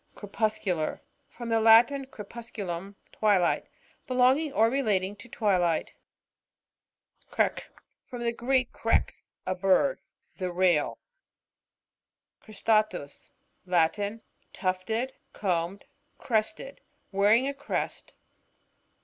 Crepuscular.— From the Latin, ere pusculum, twilight. Belonging or relating to twilight. CREx.r— From the Greek, irex, a bird; the Rail. Cristatus.— Latin. Tufted, combed, crested ; wearing a crest.